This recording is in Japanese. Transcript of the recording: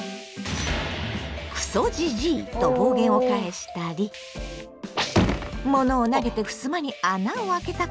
「クソジジイ！」と暴言を返したり物を投げてふすまに穴をあけたことも！